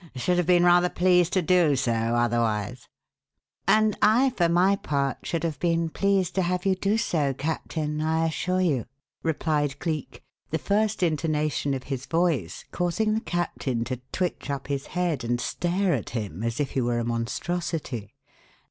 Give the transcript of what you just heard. Should have been rather pleased to do so, otherwise." "And I for my part should have been pleased to have you do so, Captain, I assure you," replied Cleek, the first intonation of his voice causing the captain to twitch up his head and stare at him as if he were a monstrosity.